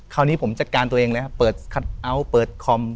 คราวนี้ผมจัดการตัวเองเลยครับเปิดคัทเอาท์เปิดคอม